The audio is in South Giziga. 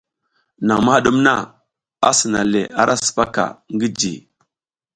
Naƞ ma ɗum na, a sina le ara sipaka ngi ji.